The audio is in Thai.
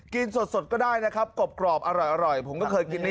สดก็ได้นะครับกรอบอร่อยผมก็เคยกินนี้